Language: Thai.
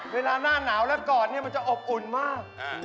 เวลาน่าหนาวแล้วกอดจะอบอุ่นมาก